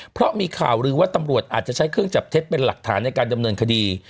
เพราะมีข่าวลือว่าตำรวจอาจจะใช้เครื่องจับเท็จเป็นหลักฐานในการดำเนินคดี